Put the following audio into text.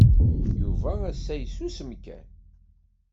Yuba assa yessusem kan.